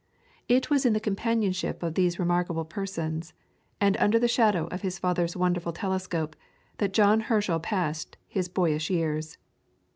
It was in the companionship of these remarkable persons, and under the shadow of his father's wonderful telescope, that John Herschel passed his boyish years.